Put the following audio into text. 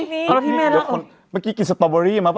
พวกเจ้าพี่เมื่อกี้กินสตอเบอรี่ไหมป่ะ